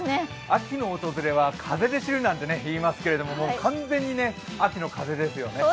秋の訪れは風で知るなんて言いますけど、もう完全に秋の風ですよね。